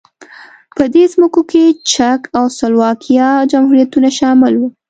په دې ځمکو کې چک او سلواکیا جمهوریتونه شامل وو.